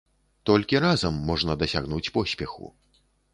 Толькі разам можна дасягнуць поспеху.